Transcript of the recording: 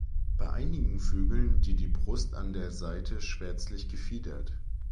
Bei einigen Vögeln die die Brust an der Seite schwärzlich gefiedert.